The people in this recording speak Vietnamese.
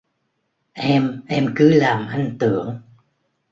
Em em cứ làm Anh tưởng